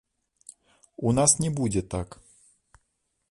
У нас не будзе так.